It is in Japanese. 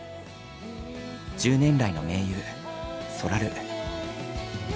１０年来の盟友そらる。